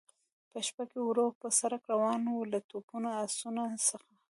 په شپه کې ورو پر سړک روان و، له توپونو، اسونو څخه.